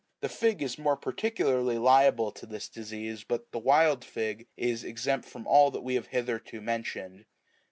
The fig is more particularly liable to this disease : but the wild fig is exempt from all that we have hitherto mentioned.